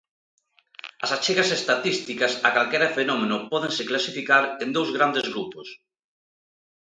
As achegas estatísticas a calquera fenómeno pódense clasificar en dous grandes grupos.